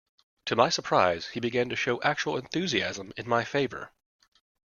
To my surprise he began to show actual enthusiasm in my favor.